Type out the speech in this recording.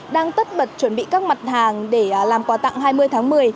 đang tất bật chuẩn bị các mặt hàng để làm quà tặng hai mươi tháng một mươi